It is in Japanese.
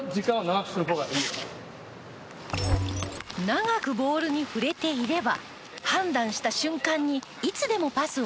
長くボールに触れていれば判断した瞬間にいつでもパスを出せる。